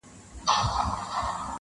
خو تېروتني تکرارېږي,